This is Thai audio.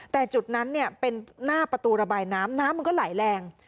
แต่จุดนั้นเป็นหน้าประตูระบายน้ำน้ำมันก็ไหลแรง